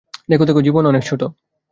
দেখো, জীবন অনেক ছোট।